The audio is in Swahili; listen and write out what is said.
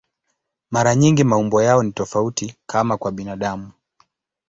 Mara nyingi maumbo yao ni tofauti, kama kwa binadamu.